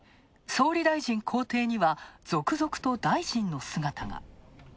総理大臣公邸には続々と大臣の姿が。